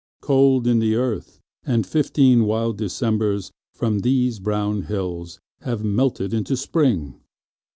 Cold in the earth, and fifteen wild Decembers From these brown hills have melted into Spring.